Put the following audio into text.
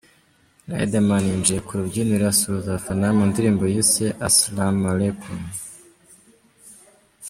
Riderman yinjiye ku rubyiniro asuhuza abafana mu ndirimbo yise ’Asalam Aleikum’.